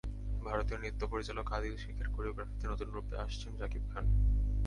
ভারতীয় নৃত্য পরিচালক আদিল শেখের কোরিওগ্রাফিতে নতুন রূপে আসছেন শাকিব খান।